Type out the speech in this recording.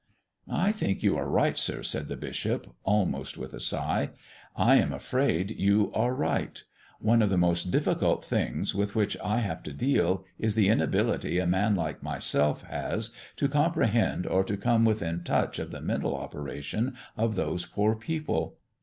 "I think you are right, sir," said the bishop, almost with a sigh "I am afraid you are right. One of the most difficult things with which I have to deal is the inability a man like myself has to comprehend or to come within touch of the mental operation of those poor people.